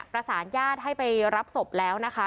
ประสานยาดให้ไปรับศพทั้งพอมาแล้วนะคะ